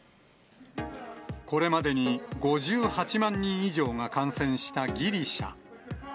これまでに５８万人以上が感染したギリシャ。